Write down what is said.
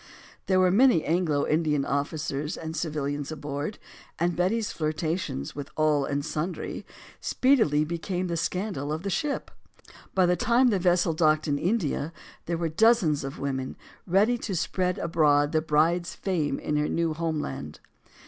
There were many Anglo Indians officers and civ ilians aboard. And Betty's flirtations, with all and sundry, speedily became the scandal of the ship. By the time the vessel docked in India, there were dozens of women ready to spread abroad the bride's fame in her new home land.